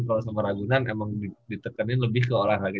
kalau sama ragunan emang ditekanin lebih ke olahraga